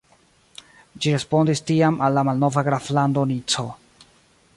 Ĝi respondis tiam al la malnova graflando Nico.